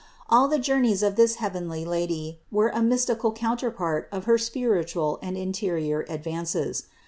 All the journeys of this heavenly Lady were a mystical counterpart of her spir itual and interior advances.